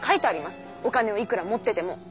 お金をいくら持ってても。